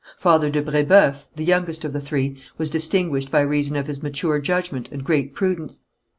Father de Brébeuf, the youngest of the three, was distinguished by reason of his mature judgment and great prudence.